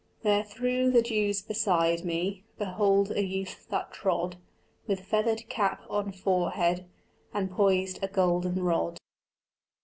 There through the dews beside me Behold a youth that trod, With feathered cap on forehead, And poised a golden rod.